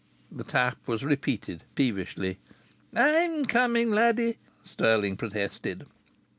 The tap was repeated peevishly. "I'm coming, laddie!" Stirling protested.